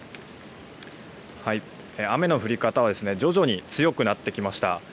雨の降り方は徐々に強くなってきました。